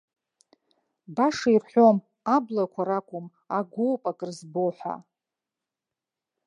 Баша ирҳәом, аблақәа ракәым агәоуп акры збо ҳәа.